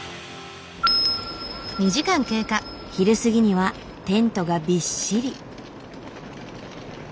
昼過ぎにはテントがびっしり。